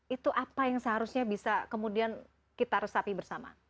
itu apa yang seharusnya bisa kemudian kita resapi bersama